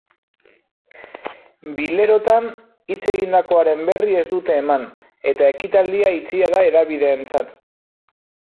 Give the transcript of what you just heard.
Bilerotan hitz egindakoaren berri ez dute ematen, eta ekitaldia itxia da hedabideentzat.